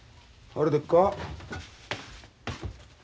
あれでっか？